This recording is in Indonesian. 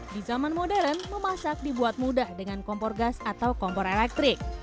di zaman modern memasak dibuat mudah dengan kompor gas atau kompor elektrik